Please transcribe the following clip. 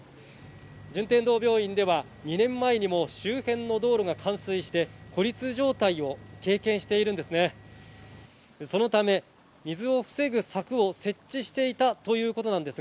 順天堂病院では２年前にも周辺の道路が冠水して孤立状態を経験しているんです。